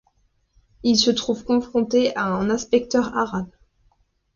Il se retrouve confronté à un inspecteur arabe.